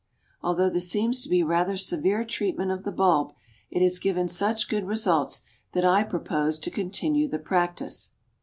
Although this seems to be rather severe treatment of the bulb, it has given such good results that I propose to continue the practice."